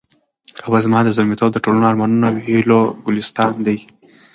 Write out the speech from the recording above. کابل زما د زلمیتوب د ټولو ارمانونو او هیلو ګلستان دی.